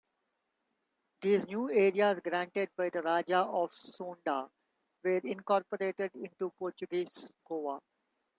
These new areas granted by the Raja of Soonda were incorporated into Portuguese Goa.